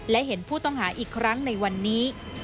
และเห็นผู้ต้องหาอีกครั้งในวันนี้